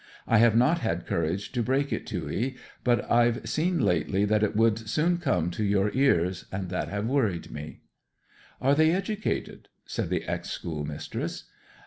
I have not had courage to break it to 'ee, but I've seen lately that it would soon come to your ears, and that hev worried me.' 'Are they educated?' said the ex schoolmistress.